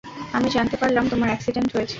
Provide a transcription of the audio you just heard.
আমি জানতে পারলাম তোমার এক্সিডেন্ট হয়েছে।